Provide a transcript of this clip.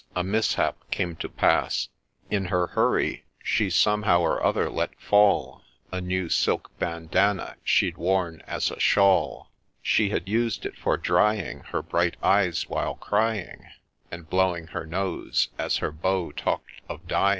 A mishap came to pass, In her hurry she, some how or other, let fall A new silk Bandana she'd worn as a shawl ; She had used it for drying Her bright eyes while crying, And blowing her nose, as her Beau talk'd of dying